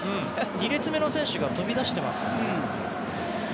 ２列目の選手が飛び出していますよね。